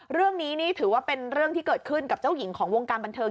เรื่องนี้นี่ถือว่าเป็นเรื่องที่เกิดขึ้นกับเจ้าหญิงของวงการบันเทิง